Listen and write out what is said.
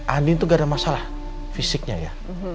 andin tuh gak ada masalah fisiknya ya